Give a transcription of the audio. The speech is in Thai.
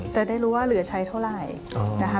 จะได้รู้ว่าเหลือใช้เท่าไหร่นะคะ